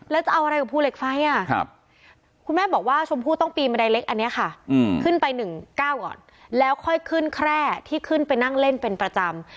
แล้วจะเอาอะไรกับภูเหล็กไฟคุณแม่บอกว่าชมพู่ต้องปีนบันไดเล็กอันนี้ค่ะขึ้นไป๑๙ก่อนแล้วค่อยขึ้นแคร่ที่ขึ้นไปนั่งเล่นเป็นประจำ